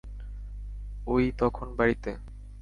ওই তখন বাড়িতে?